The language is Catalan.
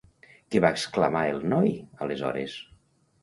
Què va exclamar el noi, aleshores?